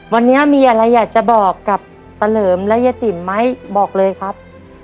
วันนี้มีอะไรอยากจะบอกกับตะเหลิมและเย้ติ๋มไหมบอกเลยครับ